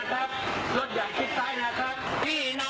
ทางหลวงมาแล้วจ้ะอย่าทำเป็นงง